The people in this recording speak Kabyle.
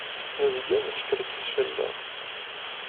Nezga neskerkis fell-am.